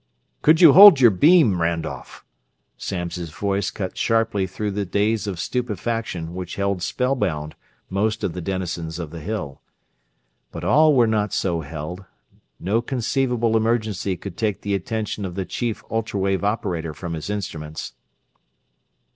"Could you hold your beam, Randolph?" Samm's voice cut sharply through the daze of stupefaction which held spellbound most of the denizens of the Hill. But all were not so held no conceivable emergency could take the attention of the chief ultra wave operator from his instruments.